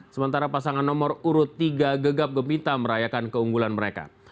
sementara pasangan nomor urut tiga gegap gempita merayakan keunggulan mereka